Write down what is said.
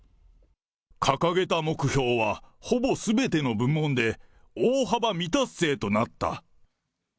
掲げた目標は、ほぼすべての部門で大幅未達成となった。